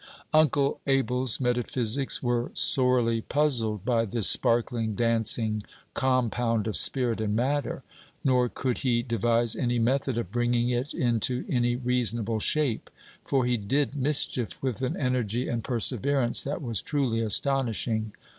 Uncle Abel's metaphysics were sorely puzzled by this sparkling, dancing compound of spirit and matter; nor could he devise any method of bringing it into any reasonable shape, for he did mischief with an energy and perseverance that was truly astonishing.